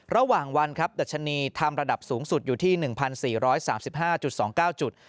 ระหว่างวันครับดัชนีทำระดับสูงสุดอยู่ที่๑๔๓๕๒๙จุด